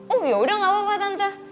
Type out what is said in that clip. oh yaudah gapapa tante